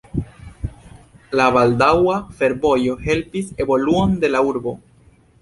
La baldaŭa fervojo helpis evoluon de la urbo.